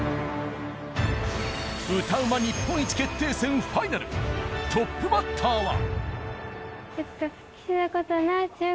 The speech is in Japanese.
歌うま日本一決定戦ファイナルトップバッターは。